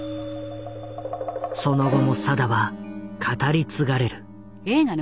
その後も定は語り継がれる。